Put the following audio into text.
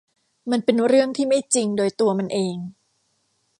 มันเป็นเรื่องที่ไม่จริงโดยตัวมันเอง